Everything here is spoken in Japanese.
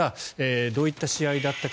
どういった試合だったか。